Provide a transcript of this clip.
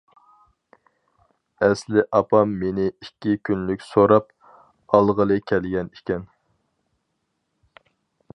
ئەسلى ئاپام مېنى ئىككى كۈنلۈك سوراپ، ئالغىلى كەلگەن ئىكەن.